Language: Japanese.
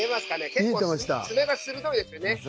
結構爪が鋭いですね。